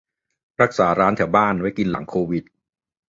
- รักษาร้านแถวบ้านไว้กินหลังโควิด